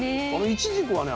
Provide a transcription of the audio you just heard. いちじくはね